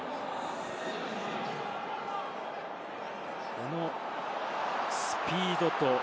このスピードと。